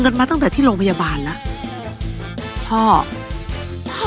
ขันเหล้าอะไรกันหรือเปล่า